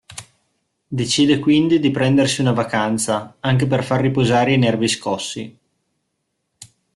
Decide quindi di prendersi una vacanza, anche per far riposare i nervi scossi.